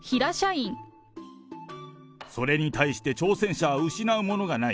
それに対して挑戦者は失うものがない。